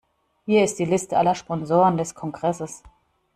Hier ist die Liste aller Sponsoren des Kongresses.